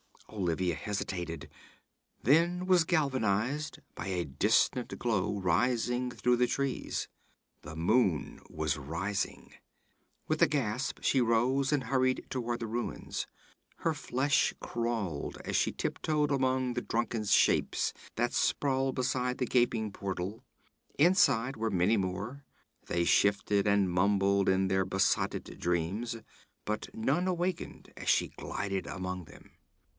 Olivia hesitated then was galvanized by a distant glow rising through the trees. The moon was rising! With a gasp she rose and hurried toward the ruins. Her flesh crawled as she tiptoed among the drunken shapes that sprawled beside the gaping portal. Inside were many more; they shifted and mumbled in their besotted dreams, but none awakened as she glided among them.